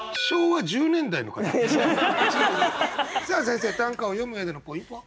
先生短歌を詠む上でのポイントは？